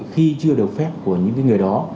khi chưa được phép của những cái người đó